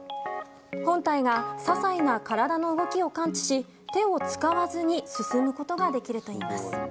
本体が些細な体の動きを感知し手を使わずに進むことができるといいます。